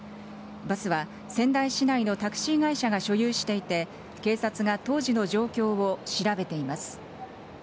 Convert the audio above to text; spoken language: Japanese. バスは仙台市内のタクシー会社が所有していて警察が当時の状況を調べています。